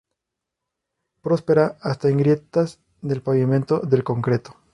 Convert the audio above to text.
Prospera hasta en grietas del pavimento de concreto.